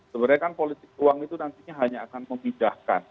sebenarnya kan politik uang itu nantinya hanya akan memindahkan